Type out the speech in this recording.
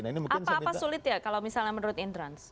apa apa sulit ya kalau misalnya menurut indrans